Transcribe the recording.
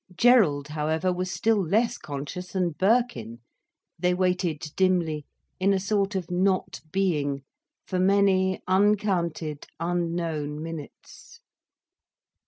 Gerald however was still less conscious than Birkin. They waited dimly, in a sort of not being, for many uncounted, unknown minutes.